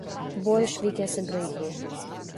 Buvo išvykęs į Graikiją.